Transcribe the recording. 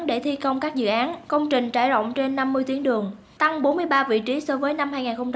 để thi công các dự án công trình trải rộng trên năm mươi tuyến đường tăng bốn mươi ba vị trí so với năm hai nghìn một mươi tám